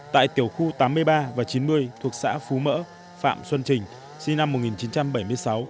tại tiểu khu tám mươi ba và chín mươi thuộc xã phú mỡ phạm xuân trình sinh năm một nghìn chín trăm bảy mươi sáu